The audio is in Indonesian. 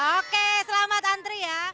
oke selamat antri ya